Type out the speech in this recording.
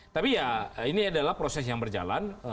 tapi ya ini adalah proses yang berjalan